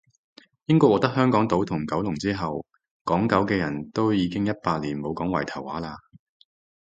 英國獲得香港島同九龍之後，港九嘅人都已經一百年冇講圍頭話喇